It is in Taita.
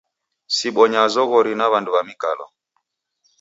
Sibonyagha zoghori na w'andu w'a mikalo.